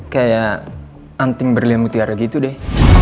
kayak anting berlian mutiara gitu deh